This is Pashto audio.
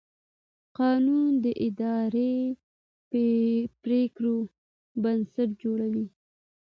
قانون د اداري پرېکړو بنسټ جوړوي.